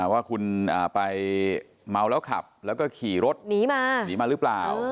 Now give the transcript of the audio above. ว่าคุณไปเมาแล้วขับแล้วก็ขี่รถหนีมาหนีมาหรือเปล่า